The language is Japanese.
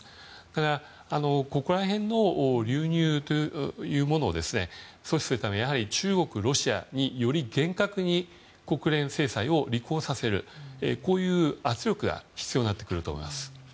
ただ、ここら辺の流入を阻止するために中国、ロシアにより厳格に国連制裁を履行させるという圧力が必要になってくると思います。